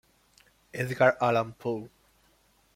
Edgar Allan Poe.